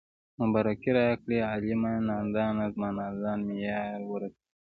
مبارکي راکړئ عالمه نادانه زه نادان مې يار ورسېدنه